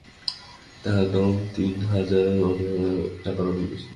তাহার দাম তিন হাজার টাকার অনেক বেশি।